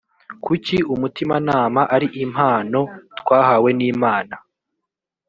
kuki umutimanama ari impano twahawe n imana